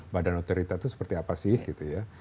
badan otorita itu seperti apa sih gitu ya